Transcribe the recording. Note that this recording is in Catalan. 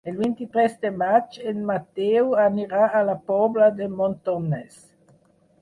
El vint-i-tres de maig en Mateu anirà a la Pobla de Montornès.